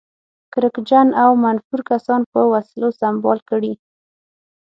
کرکجن او منفور کسان په وسلو سمبال کړي.